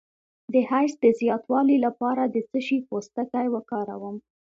د حیض د زیاتوالي لپاره د څه شي پوستکی وکاروم؟